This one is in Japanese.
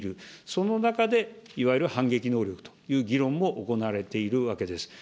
その中で、いわゆる反撃能力という議論も行われているわけです。